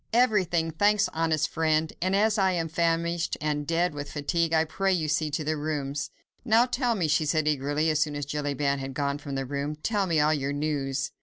"Everything, thanks, honest friend, and as I am famished and dead with fatigue, I pray you see to the rooms." "Now tell me," she said eagerly, as soon as Jellyband had gone from the room, "tell me all your news."